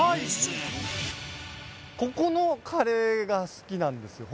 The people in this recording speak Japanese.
ここのカレーが好きなんですよ